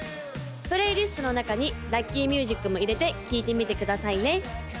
プレイリストの中にラッキーミュージックも入れて聴いてみてくださいね